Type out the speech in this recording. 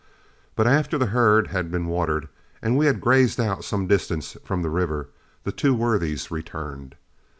But after the herd had been watered and we had grazed out some distance from the river, the two worthies returned.